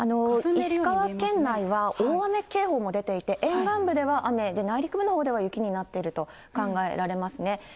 石川県内は大雨警報も出ていて、沿岸部では雨、内陸部のほうでは雪になっていると考えられますね。